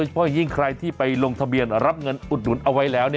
เพราะอย่างยิ่งใครที่ไปลงทะเบียนรับเงินอุดหนุนเอาไว้แล้ว